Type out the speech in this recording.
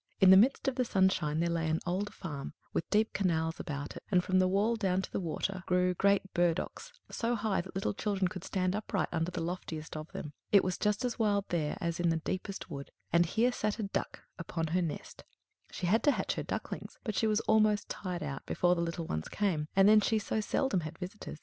In the midst of the sunshine there lay an old farm, with deep canals about it, and from the wall down to the water grew great burdocks, so high that little children could stand upright under the loftiest of them. It was just as wild there as in the deepest wood, and here sat a Duck upon her nest; she had to hatch her ducklings; but she was almost tired out before the little ones came and then she so seldom had visitors.